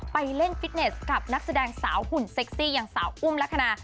ไปเล่นฟิตเนสกับนักแสดงสาวหุ่นเซ็กซี่อย่างสาวอุ้มลักษณะ